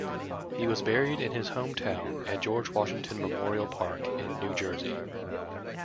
He was buried in his hometown at George Washington Memorial Park in New Jersey.